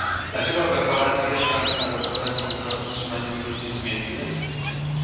Dlaczego korporacje transnarodowe są za utrzymaniem różnic między